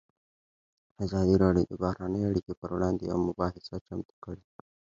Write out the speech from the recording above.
ازادي راډیو د بهرنۍ اړیکې پر وړاندې یوه مباحثه چمتو کړې.